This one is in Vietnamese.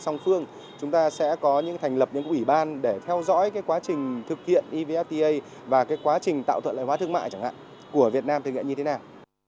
song phương chúng ta sẽ có những thành lập những ủy ban để theo dõi cái quá trình thực hiện evfta và cái quá trình tạo thuận lợi hóa thương mại chẳng hạn của việt nam thực hiện như thế nào